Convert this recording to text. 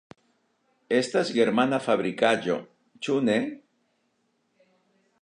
Estas germana fabrikaĵo, ĉu ne?